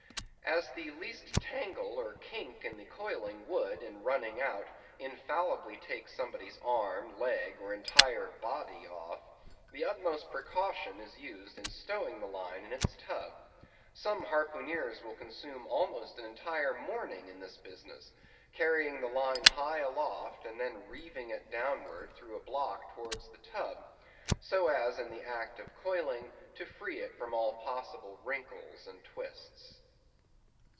As the least tangle or kink in the coiling would, in running out, infallibly take somebody's arm, leg, or entire body off, the utmost precaution is used in stowing the line in its tub. Some harpooneers will consume almost an entire morning in this business, carrying the line high aloft and then reeving it downwards through a block towards the tub, so as in the act of coiling to free it from all possible wrinkles and twists.